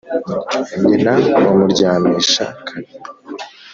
nyina amuryamisha kare,